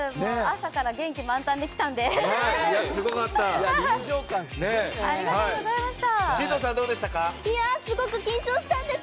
朝から元気満タンで来たんで。